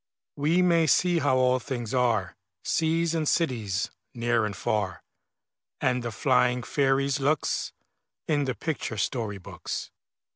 We may see how all things are, Seas and cities, near and far, And the flying fairies' looks, In the picture story books.